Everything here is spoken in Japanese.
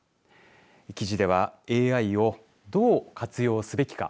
記事ではＡＩをどう活用すべきか。